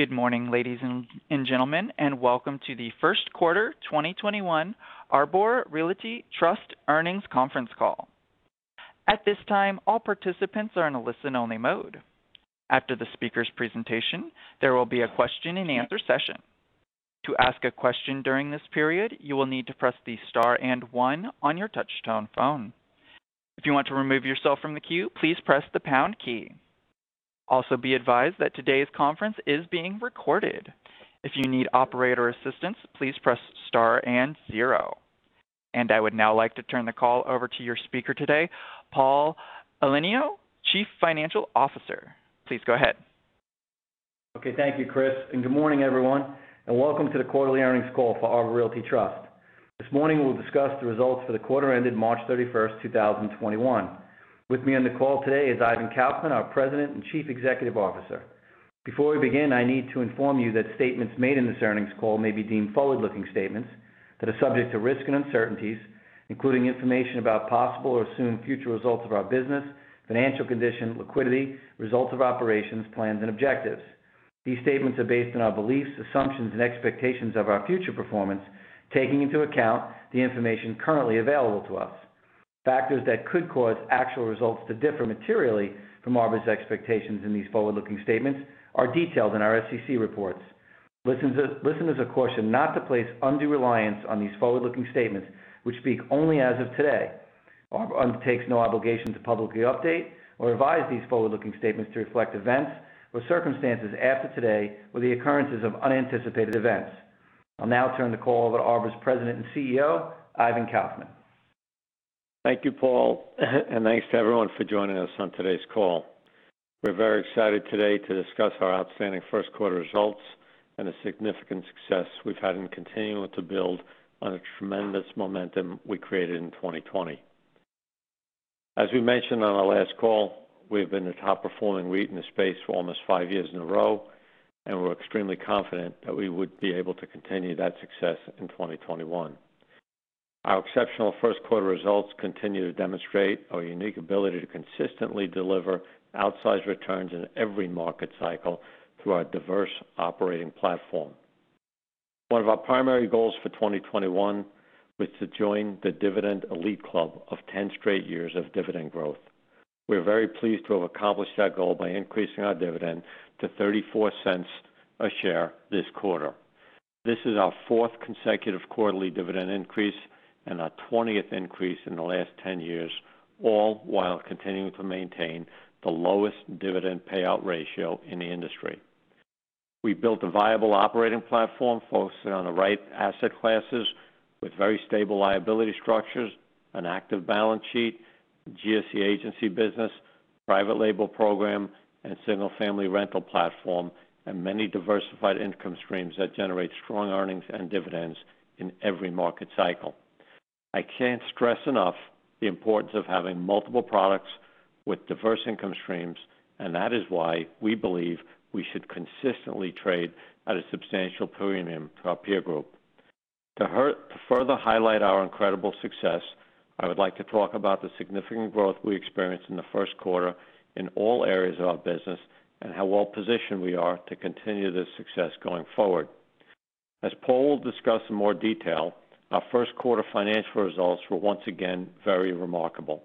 Good morning, ladies and gentlemen, and welcome to the first quarter 2021 Arbor Realty Trust earnings conference call. At this time, all participants are in a listen-only mode. After the speaker's presentation, there will be a question-and-answer session. Also, be advised that today's conference is being recorded. I would now like to turn the call over to your speaker today, Paul Elenio, Chief Financial Officer. Please go ahead. Okay. Thank you, Chris, and good morning, everyone, and welcome to the quarterly earnings call for Arbor Realty Trust. This morning we'll discuss the results for the quarter ended March 31st, 2021. With me on the call today is Ivan Kaufman, our President and Chief Executive Officer. Before we begin, I need to inform you that statements made in this earnings call may be deemed forward-looking statements that are subject to risks and uncertainties, including information about possible or soon future results of our business, financial condition, liquidity, results of operations, plans, and objectives. These statements are based on our beliefs, assumptions, and expectations of our future performance, taking into account the information currently available to us. Factors that could cause actual results to differ materially from Arbor's expectations in these forward-looking statements are detailed in our SEC reports. Listeners are cautioned not to place undue reliance on these forward-looking statements, which speak only as of today. Arbor undertakes no obligation to publicly update or revise these forward-looking statements to reflect events or circumstances after today or the occurrences of unanticipated events. I'll now turn the call over to Arbor's President and CEO, Ivan Kaufman. Thank you, Paul, and thanks to everyone for joining us on today's call. We're very excited today to discuss our outstanding first-quarter results and the significant success we've had in continuing to build on the tremendous momentum we created in 2020. As we mentioned on our last call, we have been the top-performing REIT in the space for almost five years in a row, and we were extremely confident that we would be able to continue that success in 2021. Our exceptional first-quarter results continue to demonstrate our unique ability to consistently deliver outsized returns in every market cycle through our diverse operating platform. One of our primary goals for 2021 was to join the dividend elite club of 10 straight years of dividend growth. We are very pleased to have accomplished that goal by increasing our dividend to $0.34 a share this quarter. This is our fourth consecutive quarterly dividend increase and our 20th increase in the last 10 years, all while continuing to maintain the lowest dividend payout ratio in the industry. We've built a viable operating platform focusing on the right asset classes with very stable liability structures, an active balance sheet, GSE agency business, private label program, and single-family rental platform, and many diversified income streams that generate strong earnings and dividends in every market cycle. I can't stress enough the importance of having multiple products with diverse income streams, and that is why we believe we should consistently trade at a substantial premium to our peer group. To further highlight our incredible success, I would like to talk about the significant growth we experienced in the first quarter in all areas of our business and how well-positioned we are to continue this success going forward. As Paul will discuss in more detail, our first quarter financial results were once again very remarkable.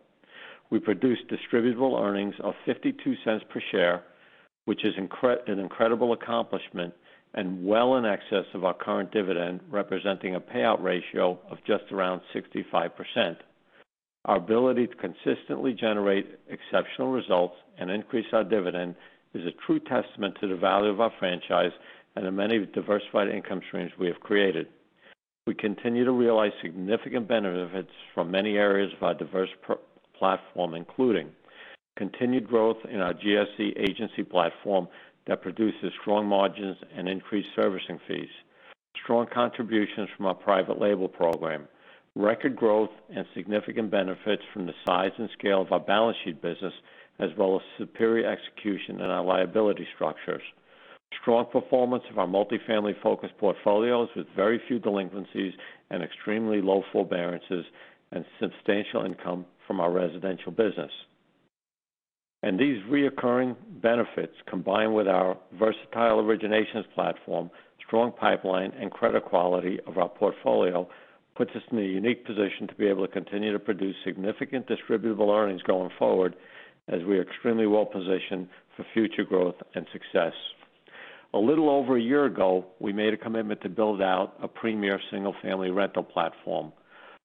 We produced distributable earnings of $0.52 per share, which is an incredible accomplishment and well in excess of our current dividend, representing a payout ratio of just around 65%. Our ability to consistently generate exceptional results and increase our dividend is a true testament to the value of our franchise and the many diversified income streams we have created. We continue to realize significant benefits from many areas of our diverse platform, including continued growth in our GSE agency platform that produces strong margins and increased servicing fees, strong contributions from our private label program, record growth, and significant benefits from the size and scale of our balance sheet business, as well as superior execution in our liability structures, strong performance of our multifamily-focused portfolios with very few delinquencies and extremely low forbearances, and substantial income from our residential business. These reoccurring benefits, combined with our versatile originations platform, strong pipeline, and credit quality of our portfolio, puts us in a unique position to be able to continue to produce significant distributable earnings going forward as we are extremely well positioned for future growth and success. A little over a year ago, we made a commitment to build out a premier single-family rental platform.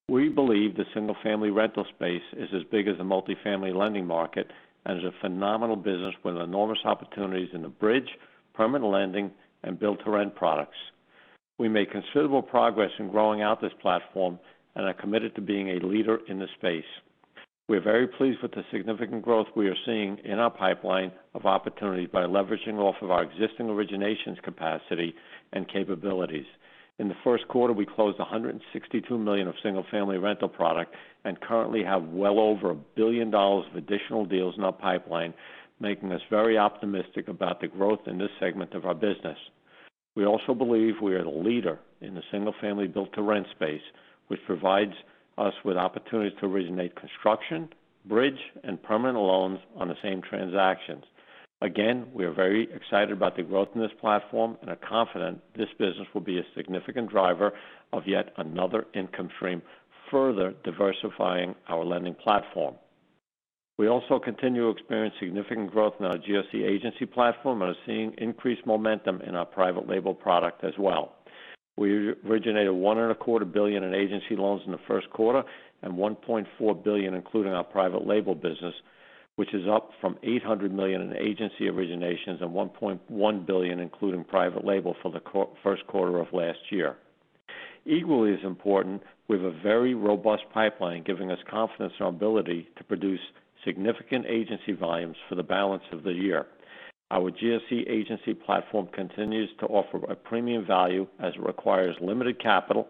We believe the single-family rental space is as big as the multifamily lending market and is a phenomenal business with enormous opportunities in the bridge, permanent lending, and build to rent products. We made considerable progress in growing out this platform and are committed to being a leader in this space. We are very pleased with the significant growth we are seeing in our pipeline of opportunities by leveraging off of our existing originations capacity and capabilities. In the first quarter, we closed $162 million of single-family rental product and currently have well over a billion dollars of additional deals in our pipeline, making us very optimistic about the growth in this segment of our business. We also believe we are the leader in the single-family build to rent space, which provides us with opportunities to originate construction, bridge, and permanent loans on the same transactions. Again, we are very excited about the growth in this platform and are confident this business will be a significant driver of yet another income stream, further diversifying our lending platform. We also continue to experience significant growth in our GSE agency platform and are seeing increased momentum in our private label product as well. We originated $1.25 billion in agency loans in the first quarter and $1.4 billion, including our private label business, which is up from $800 million in agency originations and $1.1 billion, including private label, for the first quarter of last year. Equally as important, we have a very robust pipeline giving us confidence in our ability to produce significant agency volumes for the balance of the year. Our GSE agency platform continues to offer a premium value as it requires limited capital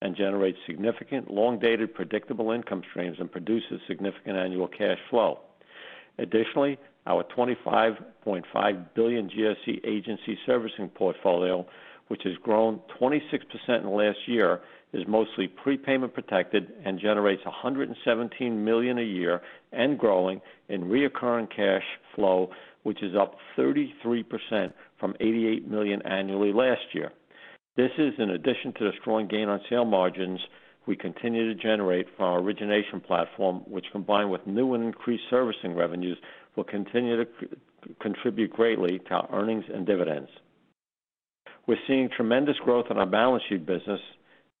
and generates significant long-dated predictable income streams and produces significant annual cash flow. Additionally, our $25.5 billion GSE agency servicing portfolio, which has grown 26% in the last year, is mostly prepayment-protected and generates $117 million a year and growing in recurring cash flow, which is up 33% from $88 million annually last year. This is in addition to the strong gain on sale margins we continue to generate from our origination platform, which combined with new and increased servicing revenues, will continue to contribute greatly to our earnings and dividends. We're seeing tremendous growth in our balance sheet business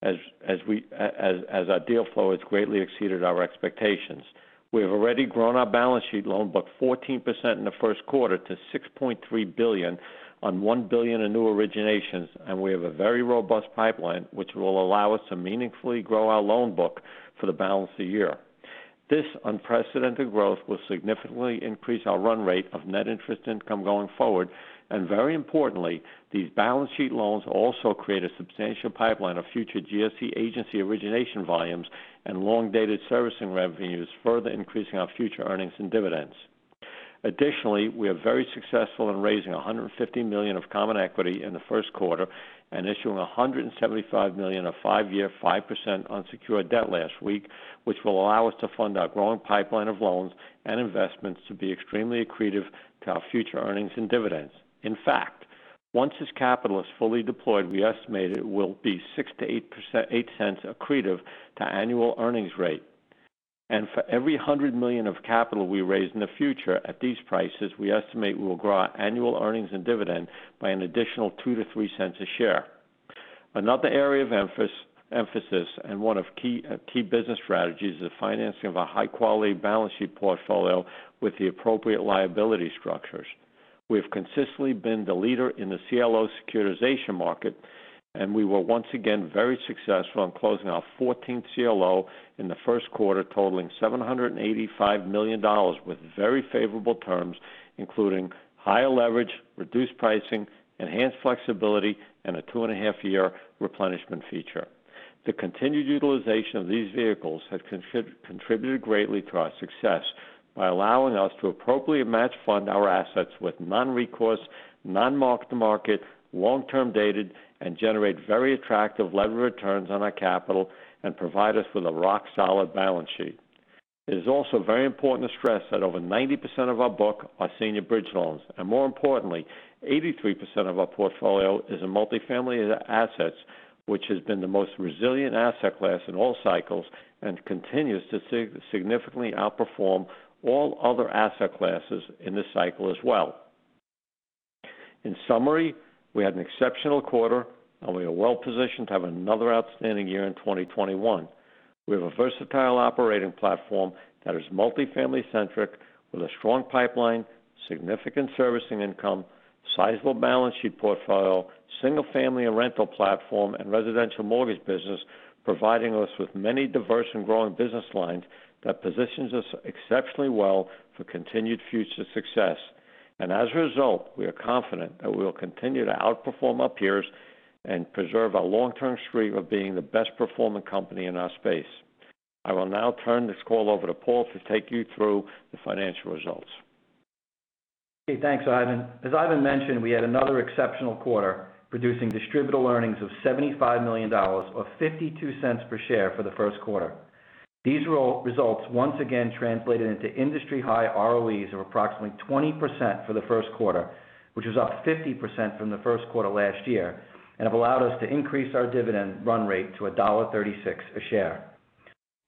as our deal flow has greatly exceeded our expectations. We have already grown our balance sheet loan book 14% in the first quarter to $6.3 billion on $1 billion in new originations. We have a very robust pipeline which will allow us to meaningfully grow our loan book for the balance of the year. This unprecedented growth will significantly increase our run rate of net interest income going forward. Very importantly, these balance sheet loans also create a substantial pipeline of future GSE agency origination volumes and long-dated servicing revenues, further increasing our future earnings and dividends. Additionally, we are very successful in raising $150 million of common equity in the first quarter and issuing $175 million of five year 5% unsecured debt last week, which will allow us to fund our growing pipeline of loans and investments to be extremely accretive to our future earnings and dividends. In fact, once this capital is fully deployed, we estimate it will be $0.06-$0.08 accretive to annual earnings rate. For every $100 million of capital we raise in the future at these prices, we estimate we will grow our annual earnings and dividend by an additional $0.02-$0.03 a share. Another area of emphasis and one of key business strategies is the financing of a high-quality balance sheet portfolio with the appropriate liability structures. We have consistently been the leader in the CLO securitization market, we were once again very successful in closing our 14th CLO in the first quarter, totaling $785 million with very favorable terms, including higher leverage, reduced pricing, enhanced flexibility, and a two-and-a-half year replenishment feature. The continued utilization of these vehicles has contributed greatly to our success by allowing us to appropriately match fund our assets with non-recourse, non-mark-to-market, long-term dated, and generate very attractive levered returns on our capital and provide us with a rock-solid balance sheet. It is also very important to stress that over 90% of our book are senior bridge loans. More importantly, 83% of our portfolio is in multifamily assets, which has been the most resilient asset class in all cycles and continues to significantly outperform all other asset classes in this cycle as well. In summary, we had an exceptional quarter and we are well positioned to have another outstanding year in 2021. We have a versatile operating platform that is multifamily centric with a strong pipeline, significant servicing income, sizable balance sheet portfolio, single-family and rental platform, and residential mortgage business, providing us with many diverse and growing business lines that positions us exceptionally well for continued future success. As a result, we are confident that we will continue to outperform our peers and preserve our long-term streak of being the best-performing company in our space. I will now turn this call over to Paul to take you through the financial results. Okay, thanks, Ivan. As Ivan mentioned, we had another exceptional quarter producing distributable earnings of $75 million or $0.52 per share for the first quarter. These results once again translated into industry-high ROEs of approximately 20% for the first quarter, which was up 50% from the first quarter last year and have allowed us to increase our dividend run rate to $1.36 a share.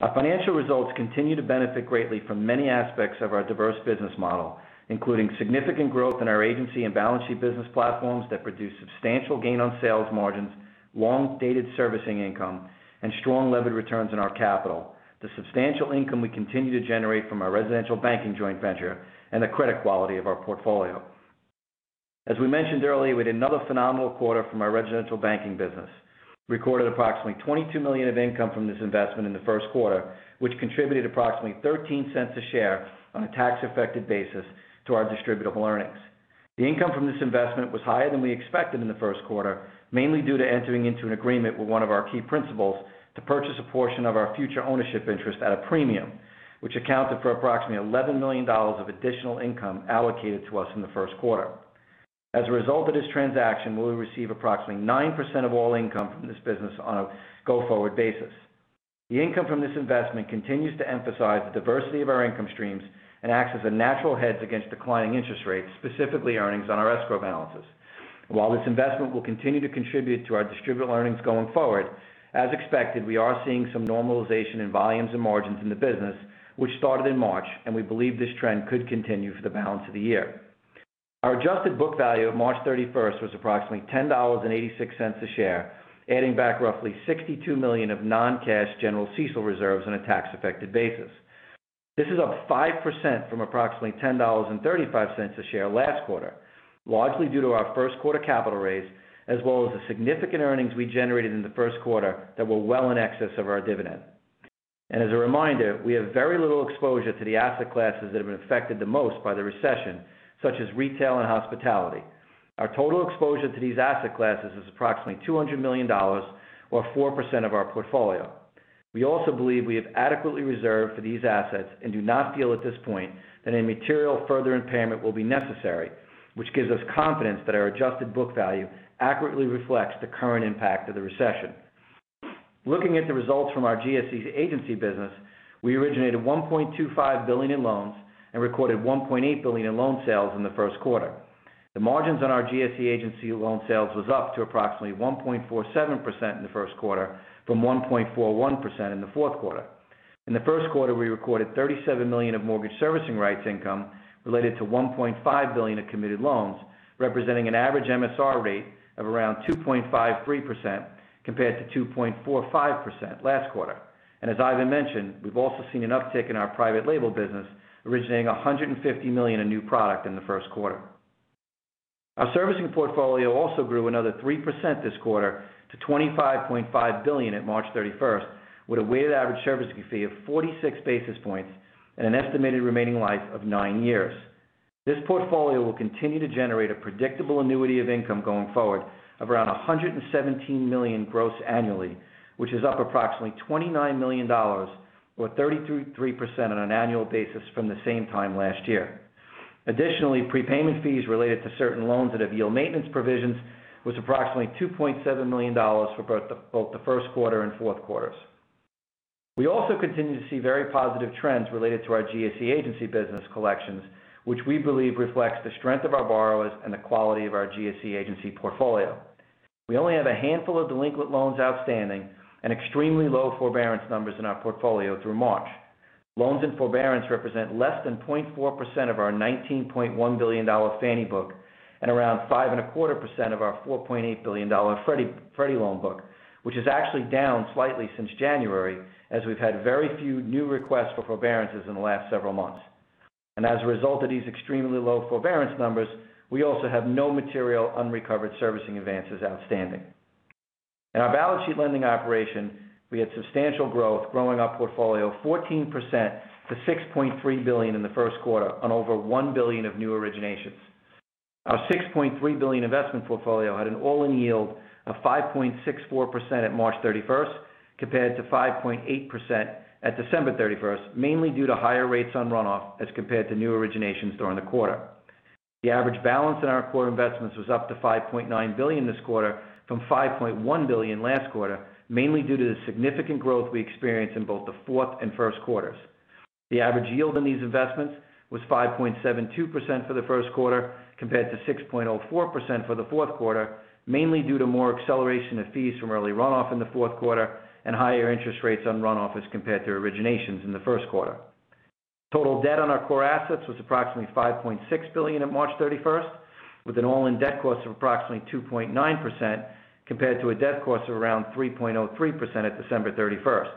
Our financial results continue to benefit greatly from many aspects of our diverse business model, including significant growth in our agency and balance sheet business platforms that produce substantial gain on sales margins, long-dated servicing income, and strong levered returns on our capital, the substantial income we continue to generate from our residential banking joint venture, and the credit quality of our portfolio. As we mentioned earlier, we had another phenomenal quarter from our residential banking business. Recorded approximately $22 million of income from this investment in the first quarter, which contributed approximately $0.13 a share on a tax-affected basis to our distributable earnings. The income from this investment was higher than we expected in the first quarter, mainly due to entering into an agreement with one of our key principals to purchase a portion of our future ownership interest at a premium. Which accounted for approximately $11 million of additional income allocated to us in the first quarter. As a result of this transaction, we will receive approximately 9% of all income from this business on a go-forward basis. The income from this investment continues to emphasize the diversity of our income streams and acts as a natural hedge against declining interest rates, specifically earnings on our escrow balances. While this investment will continue to contribute to our distributable earnings going forward, as expected, we are seeing some normalization in volumes and margins in the business, which started in March, we believe this trend could continue for the balance of the year. Our adjusted book value of March 31st was approximately $10.86 a share, adding back roughly $62 million of non-cash general CECL reserves on a tax-affected basis. This is up 5% from approximately $10.35 a share last quarter, largely due to our first quarter capital raise, as well as the significant earnings we generated in the first quarter that were well in excess of our dividend. As a reminder, we have very little exposure to the asset classes that have been affected the most by the recession, such as retail and hospitality. Our total exposure to these asset classes is approximately $200 million or 4% of our portfolio. We also believe we have adequately reserved for these assets and do not feel at this point that any material further impairment will be necessary, which gives us confidence that our adjusted book value accurately reflects the current impact of the recession. Looking at the results from our GSE agency business, we originated $1.25 billion in loans and recorded $1.8 billion in loan sales in the first quarter. The margins on our GSE agency loan sales was up to approximately 1.47% in the first quarter from 1.41% in the fourth quarter. In the first quarter, we recorded $37 million of mortgage servicing rights income related to $1.5 billion of committed loans, representing an average MSR rate of around 2.53% compared to 2.45% last quarter. As Ivan mentioned, we've also seen an uptick in our private label business, originating $150 million in new product in the first quarter. Our servicing portfolio also grew another 3% this quarter to $25.5 billion at March 31st, with a weighted average servicing fee of 46 basis points and an estimated remaining life of nine years. This portfolio will continue to generate a predictable annuity of income going forward of around $117 million gross annually, which is up approximately $29 million or 33% on an annual basis from the same time last year. Additionally, prepayment fees related to certain loans that have yield maintenance provisions was approximately $2.7 million for both the first quarter and fourth quarters. We also continue to see very positive trends related to our GSE agency business collections, which we believe reflects the strength of our borrowers and the quality of our GSE agency portfolio. We only have a handful of delinquent loans outstanding and extremely low forbearance numbers in our portfolio through March. Loans in forbearance represent less than 0.4% of our $19.1 billion Fannie book and around 5.25% of our $4.8 billion Freddie loan book, which is actually down slightly since January, as we've had very few new requests for forbearances in the last several months. As a result of these extremely low forbearance numbers, we also have no material unrecovered servicing advances outstanding. In our balance sheet lending operation, we had substantial growth, growing our portfolio 14% to $6.3 billion in the first quarter on over $1 billion of new originations. Our $6.3 billion investment portfolio had an all-in yield of 5.64% at March 31st, compared to 5.8% at December 31st, mainly due to higher rates on runoff as compared to new originations during the quarter. The average balance in our core investments was up to $5.9 billion this quarter from $5.1 billion last quarter, mainly due to the significant growth we experienced in both the fourth and first quarters. The average yield on these investments was 5.72% for the first quarter, compared to 6.04% for the fourth quarter, mainly due to more acceleration of fees from early runoff in the fourth quarter and higher interest rates on runoff as compared to originations in the first quarter. Total debt on our core assets was approximately $5.6 billion at March 31st with an all-in debt cost of approximately 2.9% compared to a debt cost of around 3.03% at December 31st.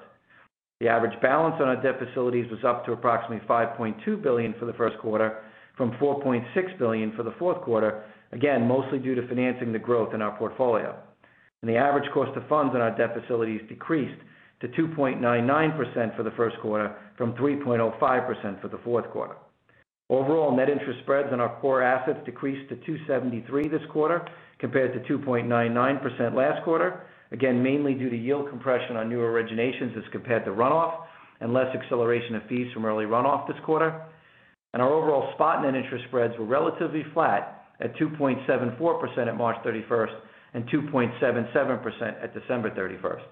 The average balance on our debt facilities was up to approximately $5.2 billion for the first quarter from $4.6 billion for the fourth quarter, again, mostly due to financing the growth in our portfolio. The average cost of funds on our debt facilities decreased to 2.99% for the first quarter from 3.05% for the fourth quarter. Overall net interest spreads on our core assets decreased to 273 this quarter, compared to 2.99% last quarter, again, mainly due to yield compression on new originations as compared to runoff and less acceleration of fees from early runoff this quarter. Our overall spot net interest spreads were relatively flat at 2.74% at March 31st and 2.77% at December 31st.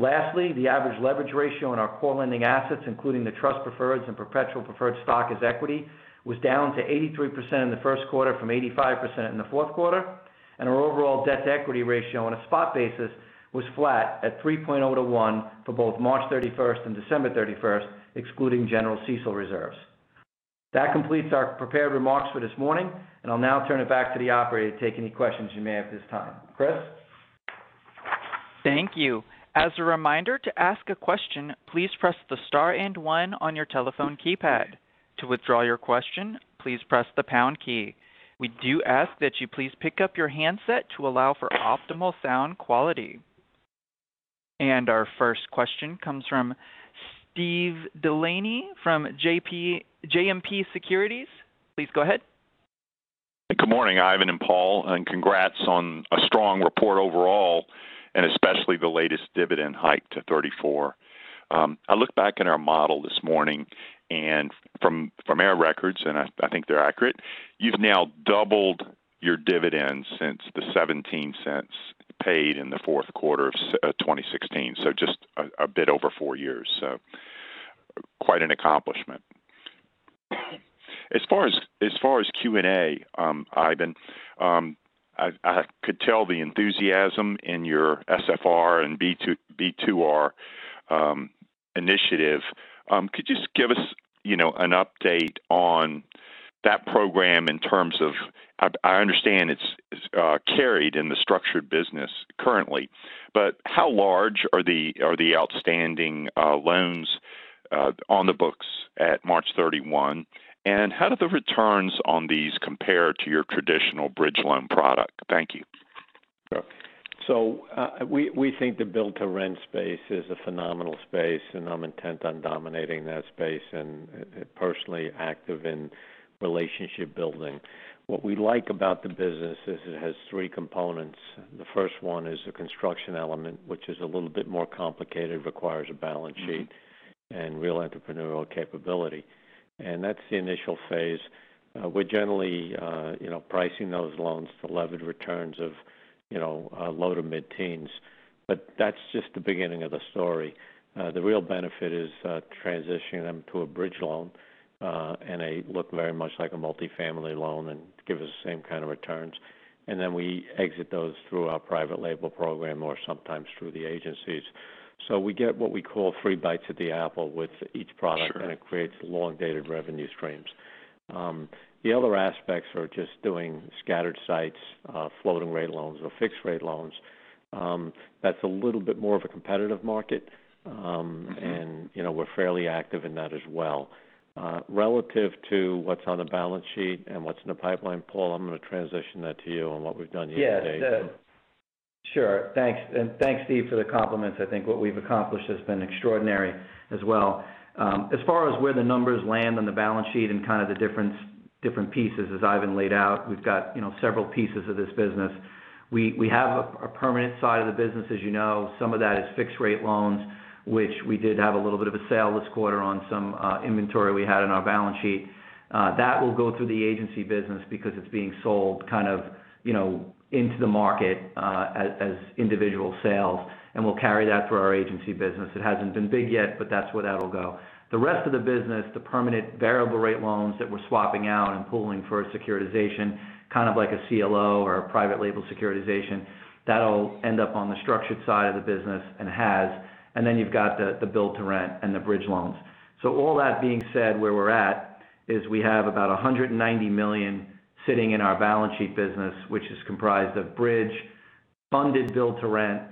Lastly, the average leverage ratio on our core lending assets, including the trust preferreds and perpetual preferred stock as equity, was down to 83% in the first quarter from 85% in the fourth quarter. Our overall debt-to-equity ratio on a spot basis was flat at 3.0-1 for both March 31st and December 31st, excluding general CECL reserves. That completes our prepared remarks for this morning, and I'll now turn it back to the operator to take any questions you may have at this time. Chris? Thank you. As a reminder, to ask a question, please press the star and one on your telephone keypad. To withdraw your question, please press the pound key. We do ask that you please pick up your handset to allow for optimal sound quality. Our first question comes from Steven Delaney from JMP Securities. Please go ahead. Good morning, Ivan Kaufman and Paul Elenio, and congrats on a strong report overall, and especially the latest dividend hike to $0.34. I looked back in our model this morning and from our records, and I think they're accurate, you've now doubled your dividend since the $0.17 paid in the fourth quarter of 2016, so just a bit over four years, so quite an accomplishment. As far as Q&A, Ivan Kaufman, I could tell the enthusiasm in your SFR and B2R initiative. Could you just give us an update on that program in terms of I understand it's carried in the structured business currently, but how large are the outstanding loans on the books at March 31? How do the returns on these compare to your traditional bridge loan product? Thank you. Sure. We think the build-to-rent space is a phenomenal space, and I'm intent on dominating that space and personally active in relationship building. What we like about the business is it has three components. The first one is the construction element, which is a little bit more complicated, requires a balance sheet and real entrepreneurial capability. That's the initial phase. We're generally pricing those loans to levered returns of low to mid-teens. That's just the beginning of the story. The real benefit is transitioning them to a bridge loan in a look very much like a multi-family loan and give us the same kind of returns. Then we exit those through our private label program or sometimes through the agencies. We get what we call three bites at the apple with each product. Sure It creates long-dated revenue streams. The other aspects are just doing scattered sites, floating rate loans or fixed rate loans. That's a little bit more of a competitive market. We're fairly active in that as well. Relative to what's on the balance sheet and what's in the pipeline, Paul, I'm going to transition that to you on what we've done year to date. Yeah. Sure. Thanks. Thanks, Steven Delaney, for the compliments. I think what we've accomplished has been extraordinary as well. As far as where the numbers land on the balance sheet and kind of the different pieces as Ivan Kaufman laid out, we've got several pieces of this business. We have a permanent side of the business, as you know. Some of that is fixed-rate loans, which we did have a little bit of a sale this quarter on some inventory we had on our balance sheet. That will go through the agency business because it's being sold kind of into the market as individual sales, and we'll carry that through our agency business. It hasn't been big yet, but that's where that'll go. The rest of the business, the permanent variable rate loans that we're swapping out and pooling for a securitization, kind of like a CLO or a private label securitization, that'll end up on the structured side of the business and has. You've got the build to rent and the bridge loans. All that being said, where we're at is we have about $190 million sitting in our balance sheet business, which is comprised of bridge, funded build to rent,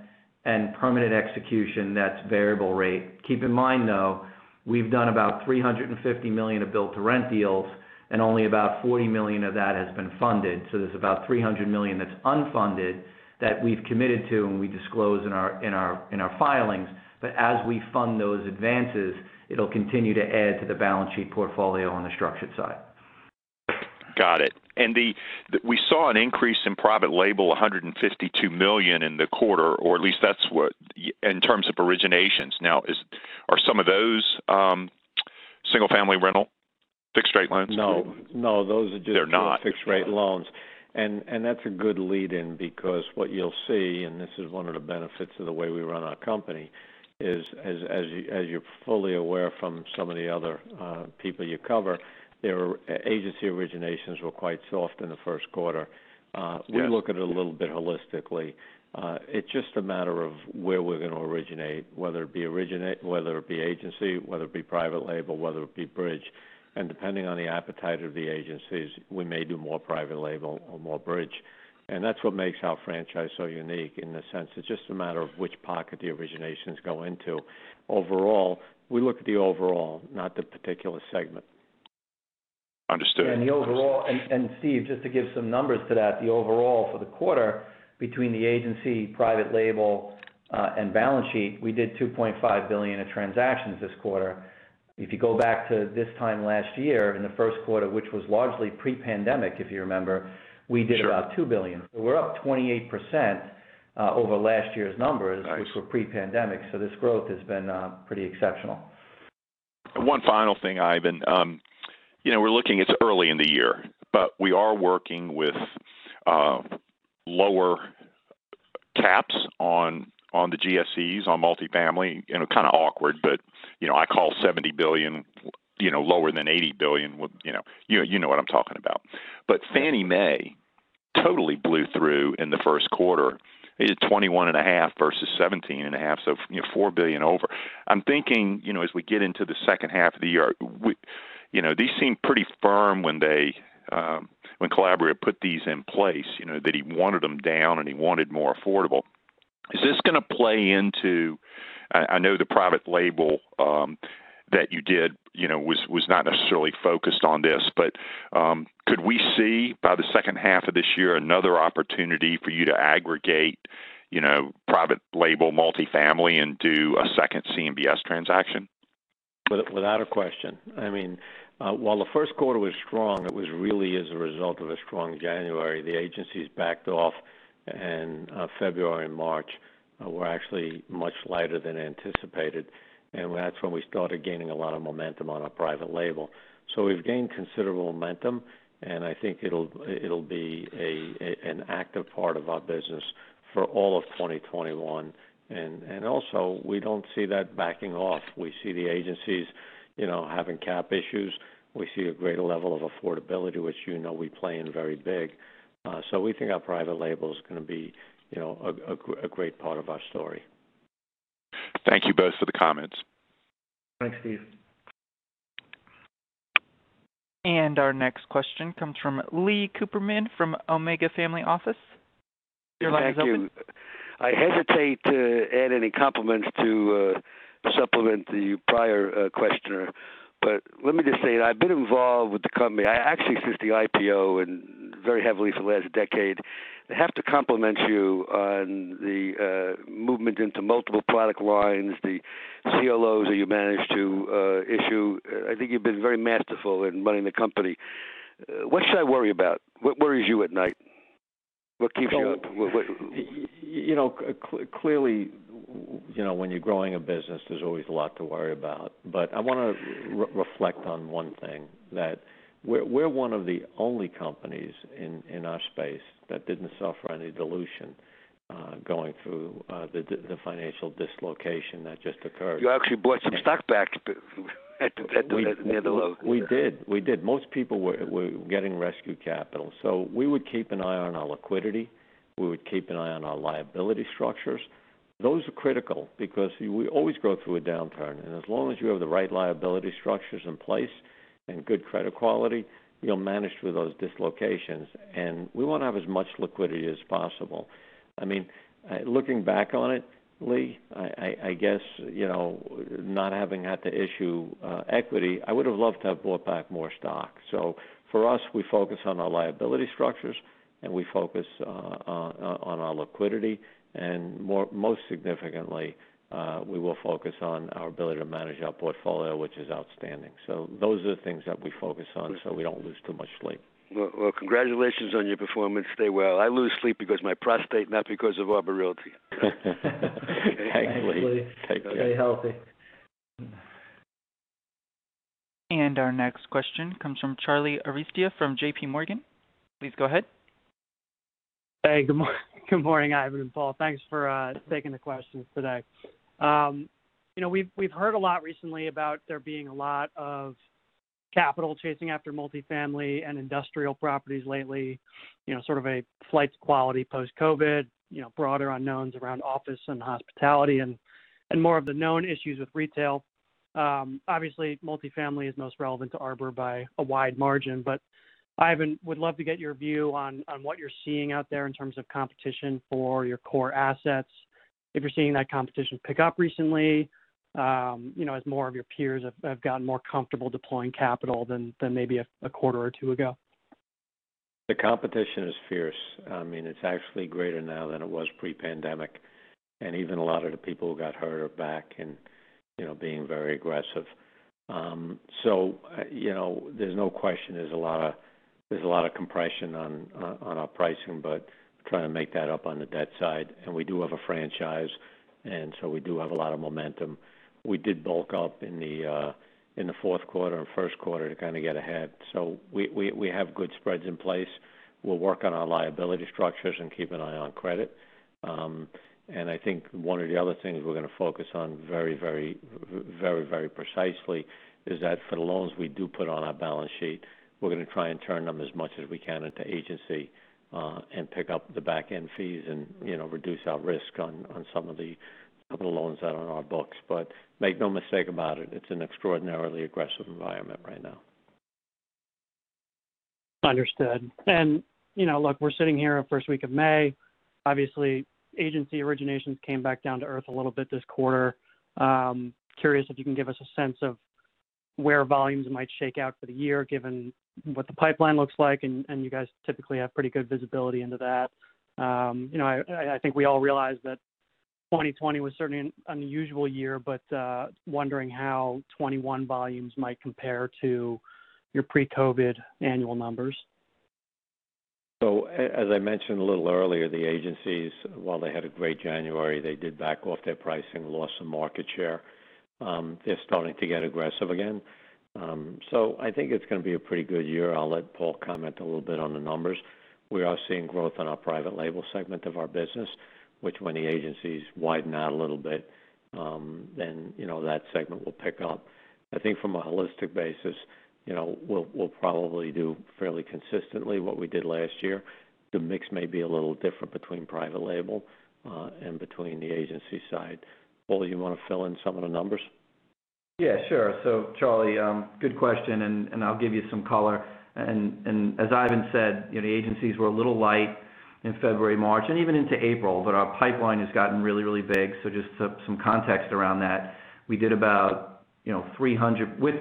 and permanent execution that's variable rate. Keep in mind, though, we've done about $350 million of build to rent deals, and only about $40 million of that has been funded. There's about $300 million that's unfunded that we've committed to and we disclose in our filings. As we fund those advances, it'll continue to add to the balance sheet portfolio on the structured side. Got it. We saw an increase in private label, $152 million in the quarter, or at least that's what, in terms of originations. Now, are some of those single-family rental fixed-rate loans? No. They're not. Those are just fixed-rate loans. That's a good lead in because what you'll see, and this is one of the benefits of the way we run our company is, as you're fully aware from some of the other people you cover, agency originations were quite soft in the first quarter. Yes. We look at it a little bit holistically. It's just a matter of where we're going to originate, whether it be agency, whether it be private label, whether it be bridge. Depending on the appetite of the agencies, we may do more private label or more bridge. That's what makes our franchise so unique in the sense that it's just a matter of which pocket the originations go into. Overall, we look at the overall, not the particular segment. Understood. Steve, just to give some numbers to that, the overall for the quarter between the agency, private label, and balance sheet, we did 2.5 billion of transactions this quarter. If you go back to this time last year in the first quarter, which was largely pre-pandemic, if you remember. Sure We did about $2 billion. We're up 28% over last year's numbers. Nice. Which were pre-pandemic. This growth has been pretty exceptional. One final thing, Ivan. It's early in the year, but we are working with lower caps on the GSEs, on multifamily. Kind of awkward, I call $70 billion lower than $80 billion. You know what I'm talking about. Fannie Mae totally blew through in the first quarter, $21.5 billion versus $17.5 billion, so $4 billion over. I'm thinking as we get into the second half of the year, these seem pretty firm when Mark Calabria put these in place, that he wanted them down and he wanted more affordable. Is this going to play into I know the private label that you did was not necessarily focused on this, but could we see, by the second half of this year, another opportunity for you to aggregate private label multifamily and do a second CMBS transaction? Without a question. While the first quarter was strong, it was really as a result of a strong January. The agencies backed off, and February and March were actually much lighter than anticipated, and that's when we started gaining a lot of momentum on our private label. We've gained considerable momentum, and I think it'll be an active part of our business for all of 2021. Also, we don't see that backing off. We see the agencies having cap issues. We see a greater level of affordability, which you know we play in very big. We think our private label is going to be a great part of our story. Thank you both for the comments. Thanks, Steve. Our next question comes from Leon Cooperman from Omega Family Office. Your line is open. Thank you. I hesitate to add any compliments to supplement the prior questioner, but let me just say, I've been involved with the company, actually since the IPO, and very heavily for the last decade. I have to compliment you on the movement into multiple product lines, the CLOs that you managed to issue. I think you've been very masterful in running the company. What should I worry about? What worries you at night? What keeps you up? Clearly, when you're growing a business, there's always a lot to worry about. I want to reflect on one thing, that we're one of the only companies in our space that didn't suffer any dilution going through the financial dislocation that just occurred. You actually bought some stock back at the near the low. We did. Most people were getting rescue capital. We would keep an eye on our liquidity. We would keep an eye on our liability structures. Those are critical because we always go through a downturn, and as long as you have the right liability structures in place and good credit quality, you'll manage through those dislocations. We want to have as much liquidity as possible. Looking back on it, Lee, I guess, not having had to issue equity, I would've loved to have bought back more stock. For us, we focus on our liability structures, and we focus on our liquidity, and most significantly, we will focus on our ability to manage our portfolio, which is outstanding. Those are the things that we focus on so we don't lose too much sleep. Well, congratulations on your performance. Stay well. I lose sleep because of my prostate, not because of Arbor Realty. Thanks, Lee. Take care. Stay healthy. Our next question comes from Charlie Arestia from JPMorgan. Please go ahead. Hey, good morning, Ivan and Paul. Thanks for taking the questions today. We've heard a lot recently about there being a lot of capital chasing after multifamily and industrial properties lately, sort of a flight to quality post-COVID, broader unknowns around office and hospitality, and more of the known issues with retail. Obviously, multifamily is most relevant to Arbor by a wide margin. Ivan, would love to get your view on what you're seeing out there in terms of competition for your core assets, if you're seeing that competition pick up recently as more of your peers have gotten more comfortable deploying capital than maybe a quarter or two ago. The competition is fierce. It's actually greater now than it was pre-pandemic. Even a lot of the people who got hurt are back and being very aggressive. There's no question there's a lot of compression on our pricing, but trying to make that up on the debt side. We do have a franchise, we do have a lot of momentum. We did bulk up in the fourth quarter and first quarter to kind of get ahead. We have good spreads in place. We'll work on our liability structures and keep an eye on credit. I think one of the other things we're going to focus on very, very precisely is that for the loans we do put on our balance sheet, we're going to try and turn them as much as we can into agency, and pick up the back-end fees and reduce our risk on some of the loans that are on our books. Make no mistake about it's an extraordinarily aggressive environment right now. Understood. Look, we're sitting here first week of May. Obviously, agency originations came back down to earth a little bit this quarter. Curious if you can give us a sense of where volumes might shake out for the year, given what the pipeline looks like, and you guys typically have pretty good visibility into that. I think we all realize that 2020 was certainly an unusual year, but wondering how 2021 volumes might compare to your pre-COVID annual numbers. As I mentioned a little earlier, the agencies, while they had a great January, they did back off their pricing, lost some market share. They're starting to get aggressive again. I think it's going to be a pretty good year. I'll let Paul comment a little bit on the numbers. We are seeing growth on our private label segment of our business, which when the agencies widen out a little bit, that segment will pick up. I think from a holistic basis, we'll probably do fairly consistently what we did last year. The mix may be a little different between private label and between the agency side. Paul, you want to fill in some of the numbers? Yeah, sure. Charlie Arestia, good question, and I'll give you some color. As Ivan said, the agencies were a little light in February, March, and even into April, but our pipeline has gotten really, really big. Just some context around that. With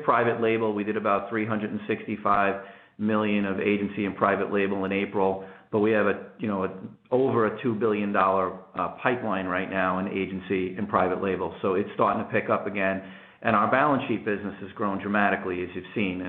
private label, we did about $365 million of agency and private label in April. We have over a $2 billion pipeline right now in agency and private label. It's starting to pick up again. Our balance sheet business has grown dramatically, as you've seen.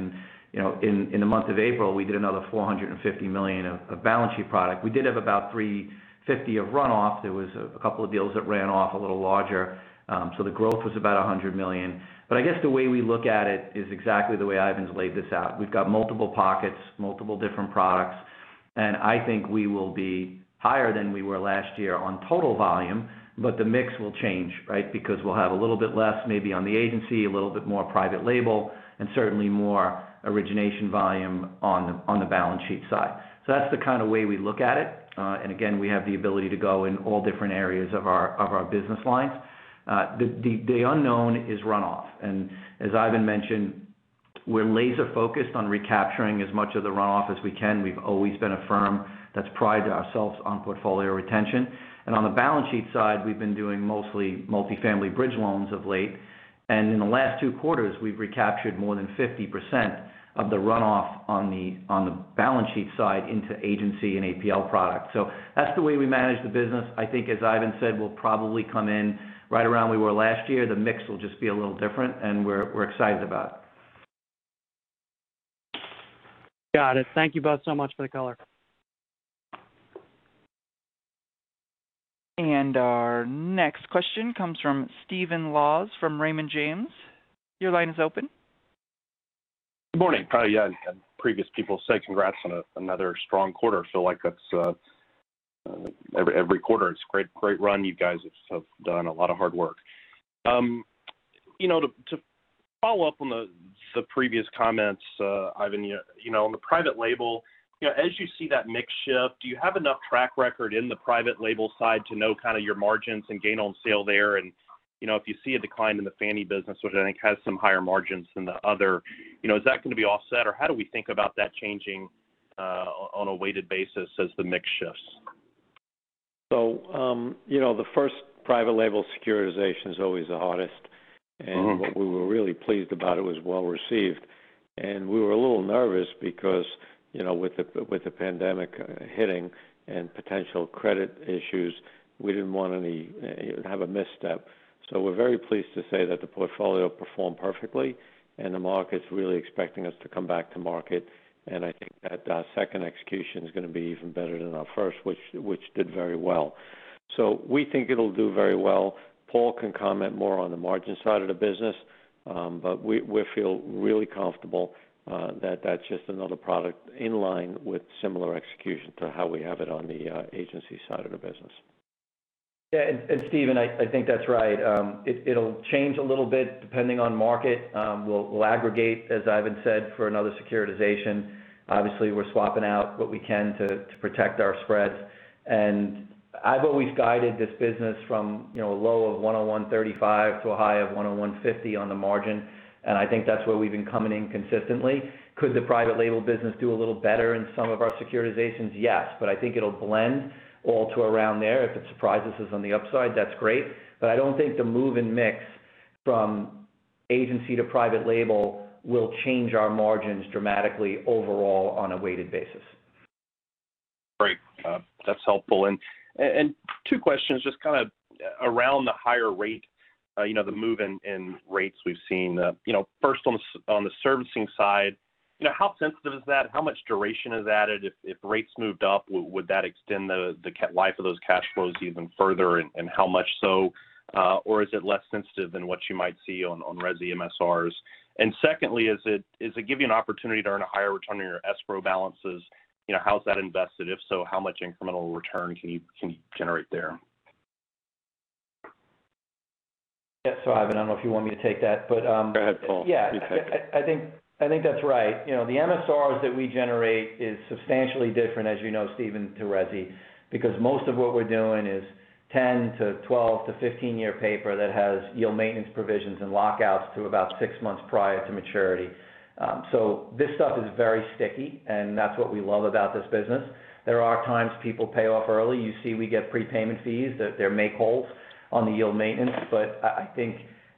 In the month of April, we did another $450 million of balance sheet product. We did have about $350 million of runoff. There was a couple of deals that ran off a little larger. The growth was about $100 million. I guess the way we look at it is exactly the way Ivan's laid this out. We've got multiple pockets, multiple different products, and I think we will be higher than we were last year on total volume, but the mix will change, right? Because we'll have a little bit less maybe on the agency, a little bit more private label, and certainly more origination volume on the balance sheet side. That's the kind of way we look at it. Again, we have the ability to go in all different areas of our business lines. The unknown is runoff. As Ivan mentioned, we're laser-focused on recapturing as much of the runoff as we can. We've always been a firm that's prided ourselves on portfolio retention. On the balance sheet side, we've been doing mostly multi-family bridge loans of late. In the last two quarters, we've recaptured more than 50% of the runoff on the balance sheet side into agency and APL product. That's the way we manage the business. I think, as Ivan said, we'll probably come in right around where we were last year. The mix will just be a little different, and we're excited about it. Got it. Thank you both so much for the color. Our next question comes from Stephen Laws from Raymond James. Your line is open. Good morning. Yeah, previous people said congrats on another strong quarter. Feel like that's every quarter. It's a great run. You guys have done a lot of hard work. To follow up on the previous comments, Ivan, on the private label, as you see that mix shift, do you have enough track record in the private label side to know your margins and gain on sale there? If you see a decline in the Fannie business, which I think has some higher margins than the other, is that going to be offset, or how do we think about that changing on a weighted basis as the mix shifts? The first private label securitization is always the hardest. What we were really pleased about, it was well received. We were a little nervous because with the pandemic hitting and potential credit issues, we didn't want to have a misstep. We're very pleased to say that the portfolio performed perfectly and the market's really expecting us to come back to market. I think that our second execution is going to be even better than our first, which did very well. We think it'll do very well. Paul can comment more on the margin side of the business. We feel really comfortable that that's just another product in line with similar execution to how we have it on the agency side of the business. Yeah. Steven, I think that's right. It'll change a little bit depending on market. We'll aggregate, as Ivan said, for another securitization. Obviously, we're swapping out what we can to protect our spreads. I've always guided this business from a low of 101.35 to a high of 101.50 on the margin. I think that's where we've been coming in consistently. Could the private label business do a little better in some of our securitizations? Yes, I think it'll blend all to around there. If it surprises us on the upside, that's great. I don't think the move in mix from agency to private label will change our margins dramatically overall on a weighted basis. Great. That's helpful. Two questions just around the higher rate, the move in rates we've seen. First on the servicing side, how sensitive is that? How much duration is added? If rates moved up, would that extend the life of those cash flows even further, and how much so? Or is it less sensitive than what you might see on resi MSRs? Secondly, does it give you an opportunity to earn a higher return on your escrow balances? How's that invested? If so, how much incremental return can you generate there? Yeah. Ivan, I don't know if you want me to take that. Go ahead, Paul. You take it. I think that's right. The MSRs that we generate is substantially different, as you know, Steven, to resi, because most of what we're doing is 10-12-15 year paper that has yield maintenance provisions and lockouts to about six months prior to maturity. This stuff is very sticky and that's what we love about this business. There are times people pay off early. You see we get prepayment fees. There may hold on the yield maintenance,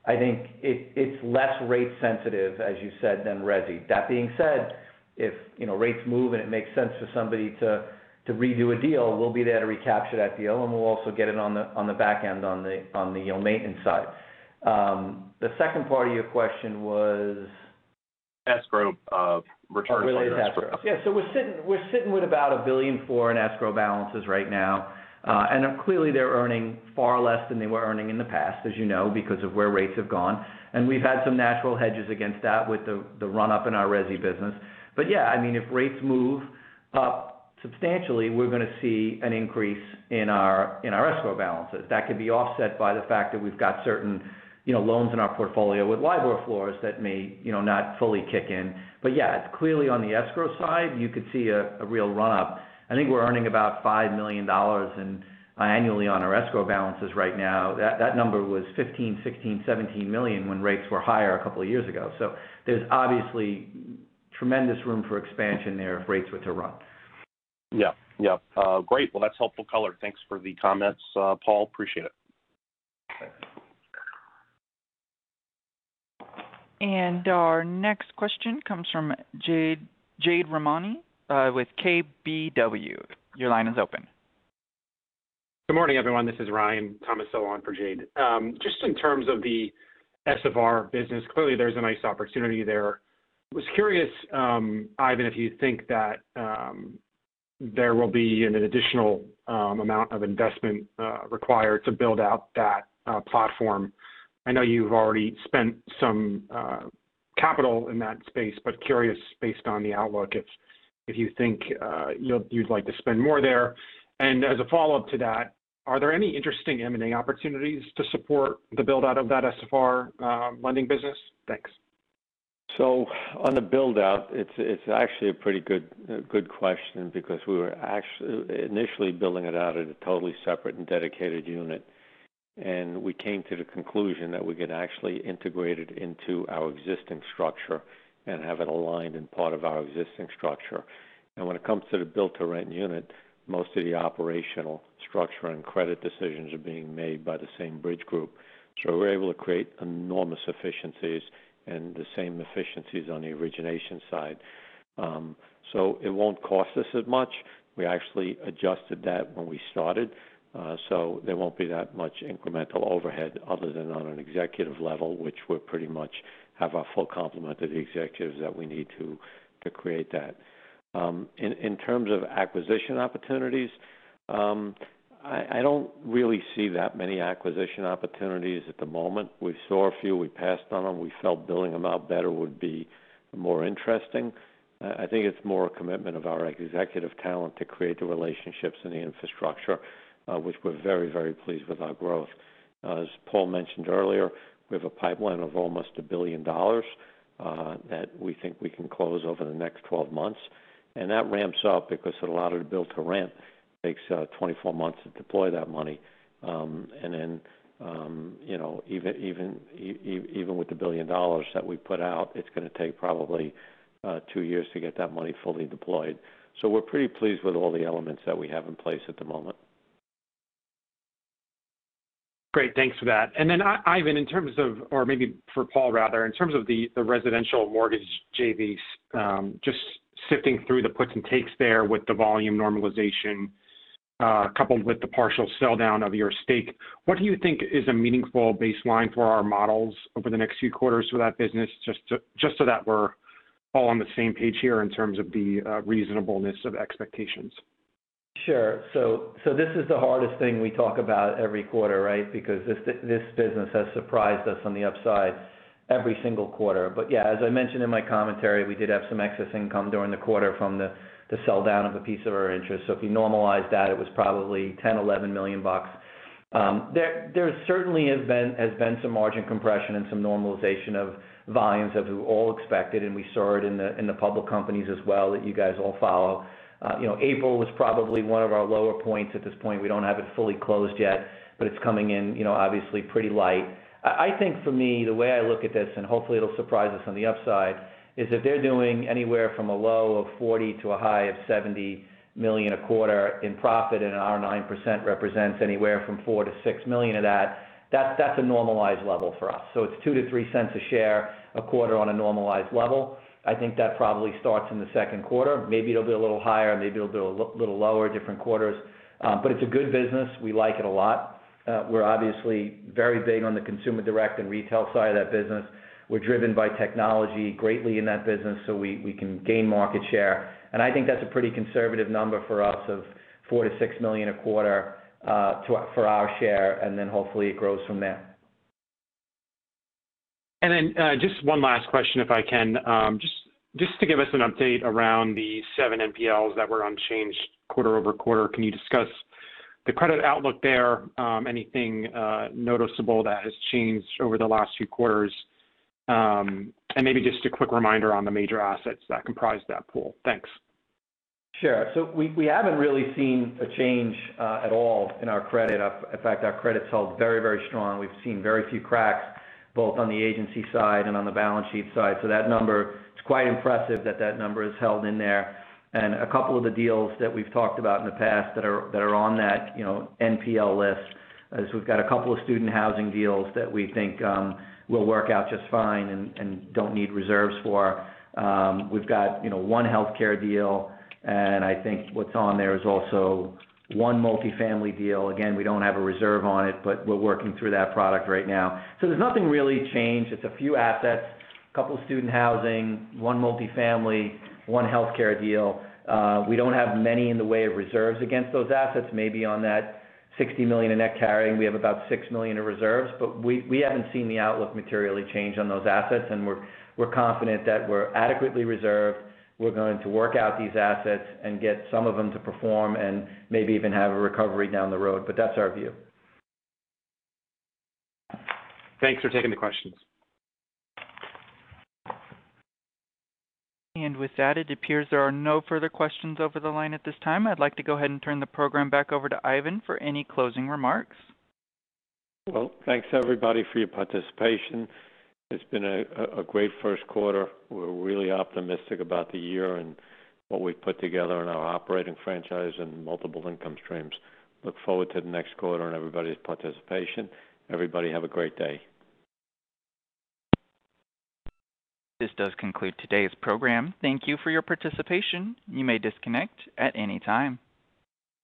I think it's less rate sensitive, as you said, than resi. That being said, if rates move and it makes sense for somebody to redo a deal, we'll be there to recapture that deal, and we'll also get in on the back end on the yield maintenance side. The second part of your question was? Escrow of return on your escrow. Related to escrow. Yeah. We're sitting with about $1.4 billion in escrow balances right now. Clearly they're earning far less than they were earning in the past, as you know, because of where rates have gone. We've had some natural hedges against that with the run-up in our resi business. Yeah, if rates move up substantially, we're going to see an increase in our escrow balances. That could be offset by the fact that we've got certain loans in our portfolio with LIBOR floors that may not fully kick in. Yeah, it's clearly on the escrow side, you could see a real run-up. I think we're earning about $5 million annually on our escrow balances right now. That number was $15 million, $16 million, $17 million when rates were higher a couple of years ago. There's obviously tremendous room for expansion there if rates were to rise. Yeah. Great. Well, that's helpful color. Thanks for the comments, Paul. Appreciate it. Our next question comes from Jade Rahmani with KBW. Your line is open. Good morning, everyone. This is Ryan Tomasello on for Jade. Just in terms of the SFR business, clearly there's a nice opportunity there. Was curious, Ivan, if you think that there will be an additional amount of investment required to build out that platform. I know you've already spent some capital in that space, but curious based on the outlook if you think you'd like to spend more there. As a follow-up to that, are there any interesting M&A opportunities to support the build-out of that SFR lending business? Thanks. On the build-out, it's actually a pretty good question because we were initially building it out at a totally separate and dedicated unit. We came to the conclusion that we could actually integrate it into our existing structure and have it aligned in part of our existing structure. When it comes to the build-to-rent unit, most of the operational structure and credit decisions are being made by the same bridge group. We're able to create enormous efficiencies and the same efficiencies on the origination side. It won't cost us as much. We actually adjusted that when we started. There won't be that much incremental overhead other than on an executive level, which we pretty much have our full complement of the executives that we need to create that. In terms of acquisition opportunities, I don't really see that many acquisition opportunities at the moment. We saw a few. We passed on them. We felt building them out better would be more interesting. I think it's more a commitment of our executive talent to create the relationships and the infrastructure, which we're very, very pleased with our growth. As Paul mentioned earlier, we have a pipeline of almost $1 billion that we think we can close over the next 12 months. That ramps up because a lot of the build to rent takes 24 months to deploy that money. Even with the $1 billion that we put out, it's going to take probably two years to get that money fully deployed. We're pretty pleased with all the elements that we have in place at the moment. Great. Thanks for that. Then Ivan, in terms of, or maybe for Paul rather, in terms of the residential mortgage JVs, just sifting through the puts and takes there with the volume normalization, coupled with the partial sell-down of your stake. What do you think is a meaningful baseline for our models over the next few quarters for that business just so that we're all on the same page here in terms of the reasonableness of expectations? This is the hardest thing we talk about every quarter, right? This business has surprised us on the upside every single quarter. As I mentioned in my commentary, we did have some excess income during the quarter from the sell-down of a piece of our interest. If you normalize that, it was probably $10 million, $11 million. There certainly has been some margin compression and some normalization of volumes as we all expected, and we saw it in the public companies as well that you guys all follow. April was probably one of our lower points at this point. We don't have it fully closed yet, but it's coming in obviously pretty light. I think for me, the way I look at this, and hopefully it'll surprise us on the upside, is that they're doing anywhere from a low of $40 million to a high of $70 million a quarter in profit, and our 9% represents anywhere from $4 million-$6 million of that. That's a normalized level for us. It's $0.02-$0.03 a share a quarter on a normalized level. I think that probably starts in the second quarter. Maybe it'll be a little higher, maybe it'll be a little lower, different quarters. It's a good business. We like it a lot. We're obviously very big on the consumer direct and retail side of that business. We're driven by technology greatly in that business, so we can gain market share. I think that's a pretty conservative number for us of $4 million-$6 million a quarter for our share, then hopefully it grows from there. Just one last question if I can. Just to give us an update around the seven NPLs that were unchanged quarter-over-quarter. Can you discuss the credit outlook there? Anything noticeable that has changed over the last few quarters? Maybe just a quick reminder on the major assets that comprise that pool. Thanks. Sure. We haven't really seen a change at all in our credit. In fact, our credit's held very, very strong. We've seen very few cracks, both on the agency side and on the balance sheet side. That number, it's quite impressive that that number has held in there. A couple of the deals that we've talked about in the past that are on that NPL list, is we've got a couple of student housing deals that we think will work out just fine and don't need reserves for. We've got one healthcare deal, and I think what's on there is also one multifamily deal. Again, we don't have a reserve on it, but we're working through that product right now. There's nothing really changed. It's a few assets, a couple of student housing, one multifamily, one healthcare deal. We don't have many in the way of reserves against those assets. Maybe on that $60 million in net carrying, we have about $6 million in reserves. We haven't seen the outlook materially change on those assets, and we're confident that we're adequately reserved. We're going to work out these assets and get some of them to perform and maybe even have a recovery down the road. That's our view. Thanks for taking the questions. With that, it appears there are no further questions over the line at this time. I'd like to go ahead and turn the program back over to Ivan for any closing remarks. Well, thanks everybody for your participation. It's been a great first quarter. We're really optimistic about the year and what we've put together in our operating franchise and multiple income streams. Look forward to the next quarter and everybody's participation. Everybody have a great day. This does conclude today's program. Thank you for your participation. You may disconnect at any time.